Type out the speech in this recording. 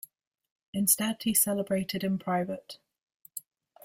Instead he celebrated in private.